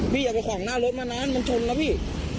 อย่าไปขวางหน้ารถมานานมันชนแล้วพี่